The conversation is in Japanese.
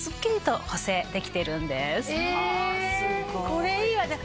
これいいわ！